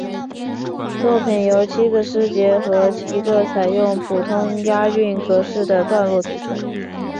作品由七个诗节和一个采用普通押韵格式的段落组成。